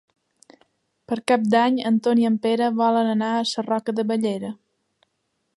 Per Cap d'Any en Ton i en Pere volen anar a Sarroca de Bellera.